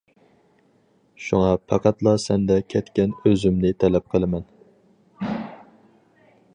شۇڭا پەقەتلا سەندە كەتكەن ئۆزۈمنى تەلەپ قىلىمەن.